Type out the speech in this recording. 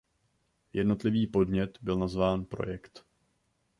Jednotlivý podnět byl nazýván „projekt“.